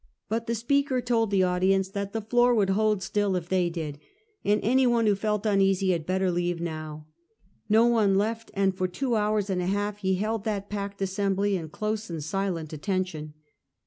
But the speaker told the audience that the floor would " hold still " if they did; and any one who felt uneasy had better leave now. ]^o one left, and for two hours and a half he held that packed assembly in close and silent attention.